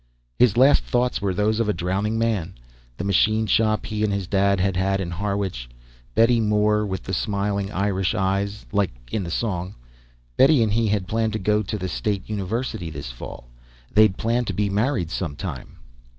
His last thoughts were those of a drowning man. The machine shop he and his dad had had in Harwich. Betty Moore, with the smiling Irish eyes like in the song. Betty and he had planned to go to the State University this Fall. They'd planned to be married sometime....